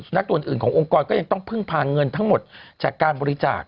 นักด่วนอื่นขององค์กรก็ยังต้องพึ่งพาเงินทั้งหมดจากการบริจาค